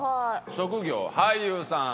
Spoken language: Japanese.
職業俳優さん